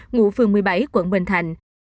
ngụ phường một mươi bảy quận bình thạnh